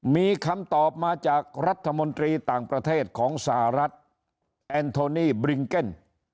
มีคำตอบมาจากรัฐมนตรีต่างประเทศของสหรัฐแอนโทนี่บริงเก็น